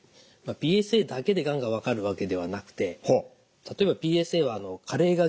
ＰＳＡだけでがんが分かるわけではなくて例えばＰＳＡは加齢が原因でですね